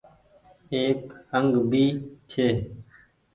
ايڪ انگ ڀي ڇي۔